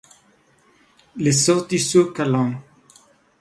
Les Authieux-sur-Calonne